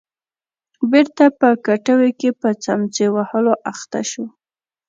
بېرته په کټوې کې په څمڅۍ وهلو اخته شو.